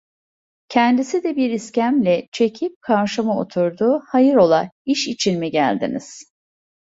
Kendisi de bir iskemle çekip karşıma oturdu: "Hayır ola? İş için mi geldiniz?"